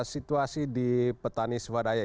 situasi di petani swadaya